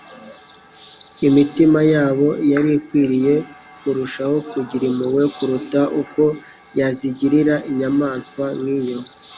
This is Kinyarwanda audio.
Imitima yabo yari ikwiriye kurushaho kugira impuhwe kuruta uko yazigirira inyamaswa nk'iyo!